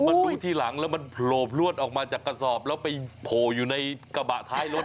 มาดูที่หลังแล้วมันโผล่ลวดออกมาจากกระสอบแล้วไปโผล่อยู่ในกระบะท้ายรถ